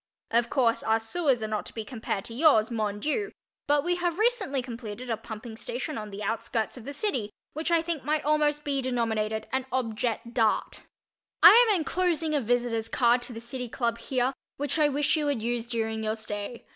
Of course, our sewers are not to be compared to yours, mon Dieu, but we have recently completed a pumping station on the outskirts of the city which I think might almost be denominated an objet d'art. I am enclosing a visitor's card to the City Club here, which I wish you would use during your stay.